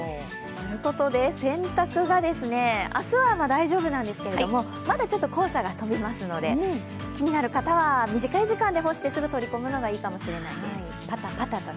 洗濯が、明日は大丈夫なんですけどまだちょっと黄砂が飛びますので、気になる方は短い時間で干して、すぐ取り込むのがいいかもしれないです。